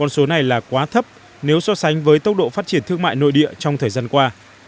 số này là quá thấp nếu so sánh với tốc độ phát triển thương mại nội địa trong thời gian qua